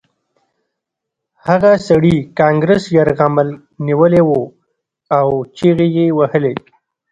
هغه سړي کانګرس یرغمل نیولی و او چیغې یې وهلې